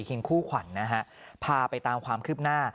คิงคู่ขวัญนะฮะพาไปตามความคืบหน้า